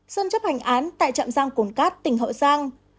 sơn chấp hành án tại trạm giang cồn cát tỉnh hậu giang